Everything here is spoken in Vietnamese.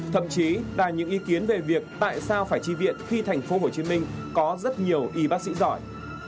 thậm chí là những ý kiến về việc tại sao phải tri viện khi thành phố hồ chí minh có rất nhiều y bác sĩ giỏi